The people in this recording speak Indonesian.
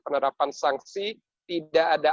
penerapan sangsi tidak ada